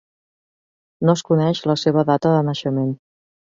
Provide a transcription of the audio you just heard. No es coneix la seva data de naixement.